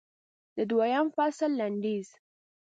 د دویم فصل لنډیز